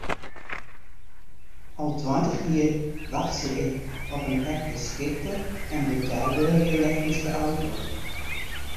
Al tweintich jier wachtsje ik op in echt geskikte en betelbere elektryske auto.